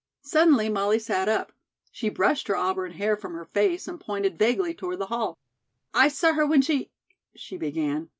Suddenly Molly sat up. She brushed her auburn hair from her face and pointed vaguely toward the hall: "I saw her when she " she began.